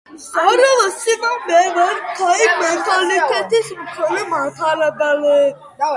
ერთიანი ლიტერატურული ნორმა არ არსებობს, თუმცა არის სამწერლო ტრადიციების კერები.